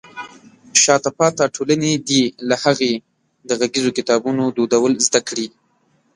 شاته پاتې ټولنې دې له هغې د غږیزو کتابونو دودول زده کړي.